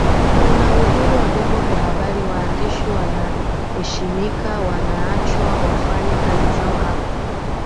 kuna uhuru wa vyombo vya habari waandishi wanaeshimika wanaachwa wafanye kazi zao hapana